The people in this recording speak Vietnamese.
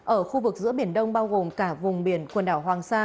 ở khu vực giữa biển đông bao gồm cả vùng biển quần đảo hoàng sa